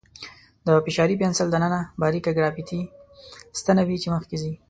د فشاري پنسل دننه باریکه ګرافیتي ستنه وي چې مخکې ځي.